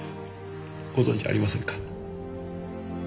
ご存じありませんか？